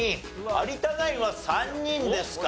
有田ナインは３人ですか。